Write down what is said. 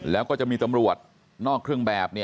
แล้วก็จะมีตำรวจนอกเครื่องแบบ